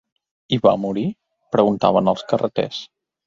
-I va morir?- preguntaven els carreters.